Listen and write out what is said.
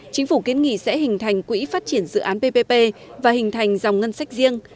chính phủ kiến nghị sẽ hình thành quỹ phát triển dự án ppp và hình thành dòng ngân sách riêng